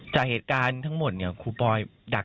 จากเหตุการณ์ทั้งหมดครูปอยลาออก